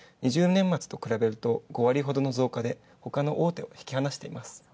２０年末と比べると５割ほどの増加で、ほかの大手と引き離しています。